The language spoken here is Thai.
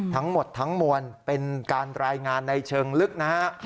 ทั้งหมดทั้งมวลเป็นการรายงานในเชิงลึกนะฮะ